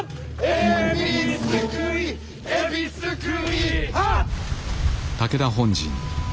「海老すくい海老すくいハァ」